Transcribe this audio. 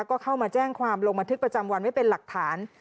ก็เข้ามาแจ้งความลงบันทึกประจำวันไว้เป็นหลักฐาน